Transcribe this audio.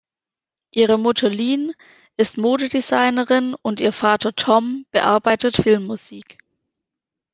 Ihre Mutter Lin ist Modedesignerin und ihr Vater Tom bearbeitet Filmmusik.